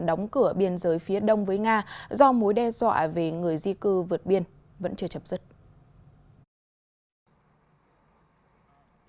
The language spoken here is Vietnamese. đóng cửa biên giới phía đông với nga do mối đe dọa về người di cư vượt biên vẫn chưa chấm dứt